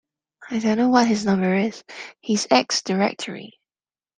I don't know what his number is: he's ex-directory